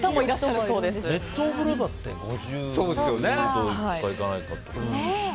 熱湯風呂だって５０度いくかいかないか。